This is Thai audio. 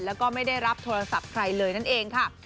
แล้วก็ไม่ได้รับโทรศัพท์ใครเลยนั่นเองค่ะ